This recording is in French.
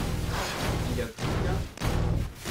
Il a plu là ?